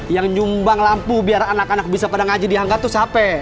yang nyumbang lampu biar anak anak bisa pada ngaji dihangat tuh siapa